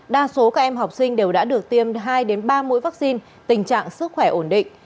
đa số các em học sinh đều đã được tiêm hai ba mũi vaccine tình trạng sức khỏe ổn định